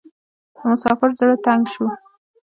د مسافر زړه تنګ شو .